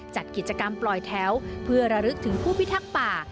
จัดกิจกรรมปล่อยแถวเพื่อระลึกถึงผู้พิทักษ์ป่า